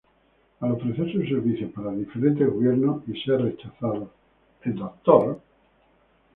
Al ofrecer sus servicios para diferentes gobiernos, y ser rechazado, el Dr.